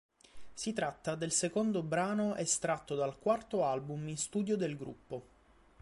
Si tratta del secondo brano estratto dal quarto album in studio del gruppo.